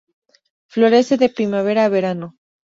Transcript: Florece de primavera a verano.